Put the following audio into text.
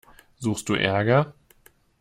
Suchst du Ärger?